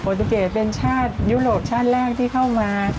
ตูเกตเป็นชาติยุโรปชาติแรกที่เข้ามา